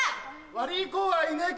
悪ぃ子はいねえが。